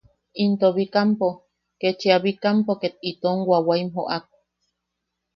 Into Bikampo, kechia Bikampo ket itom wawaim jo’ak.